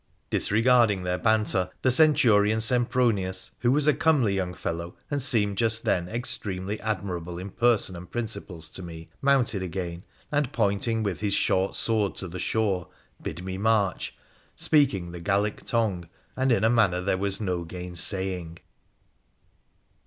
Disregarding their banter, the Centurion Sempronius, who was a comely young fellow, and seemed just then extremely admirable in person and principles to me, mounted again, and, pointing with his short sword to the shore, bid me march, speaking the Gallic tongue, and in a manner there was no gainsaying.